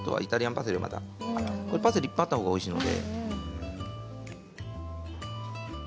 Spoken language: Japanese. パセリは、いっぱいあったほうがおいしいので。